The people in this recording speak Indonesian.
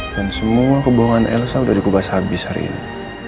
dan semua kebohongan elsa udah dikubas habis hari ini